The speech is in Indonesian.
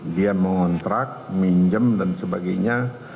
dia mengontrak minjem dan sebagainya